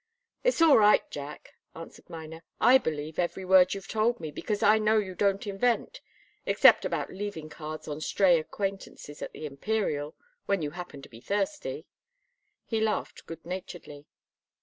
"It's all right, Jack," answered Miner. "I believe every word you've told me, because I know you don't invent except about leaving cards on stray acquaintances at the Imperial, when you happen to be thirsty." He laughed good naturedly.